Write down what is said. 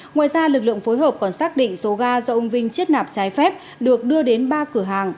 ngoài ra lực lượng phối hợp còn xác định số ga do ông vinh chiết nạp trái phép được đưa đến ba cửa hàng